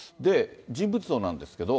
人物像なんですけど。